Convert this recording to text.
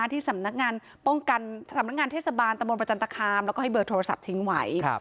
ที่สำนักงานเทศบาลตะบนประจันตคามแล้วก็ให้เบอร์โทรศัพท์ทิ้งไว้